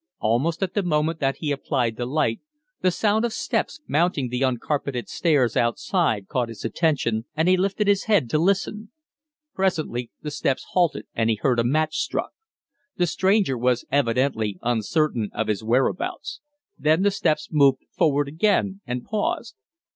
Almost at the moment that he applied the light the sound of steps mounting the uncarpeted stairs outside caught his attention, and he raised his head to listen. Presently the steps halted and he heard a match struck. The stranger was evidently uncertain of his whereabouts. Then the steps moved forward again and paused.